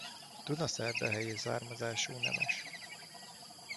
Dunaszerdahelyi származású nemes.